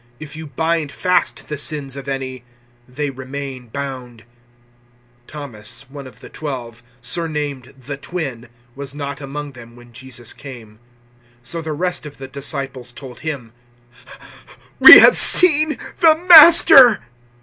If you bind fast the sins of any, they remain bound." 020:024 Thomas, one of the twelve surnamed `the Twin' was not among them when Jesus came. 020:025 So the rest of the disciples told him, "We have seen the Master!"